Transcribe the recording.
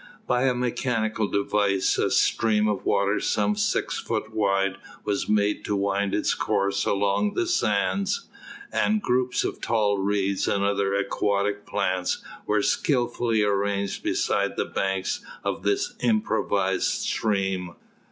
By a mechanical device a stream of water some six foot wide was made to wind its course along the sands, and groups of tall reeds and other aquatic plants were skilfully arranged beside the banks of this improvised stream.